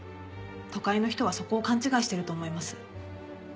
都会の人はそこを勘違いしてると思います。